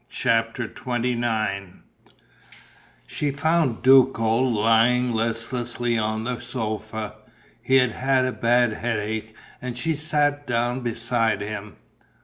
CHAPTER XXIX She found Duco lying listlessly on the sofa. He had a bad headache and she sat down beside him.